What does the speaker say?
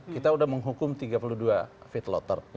kita sudah menghukum tiga puluh dua feet lotter